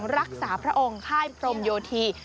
รักษาพระองค์ค่ายพรมโยธี